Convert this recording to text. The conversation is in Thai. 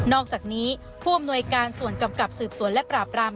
อกจากนี้ผู้อำนวยการส่วนกำกับสืบสวนและปราบราม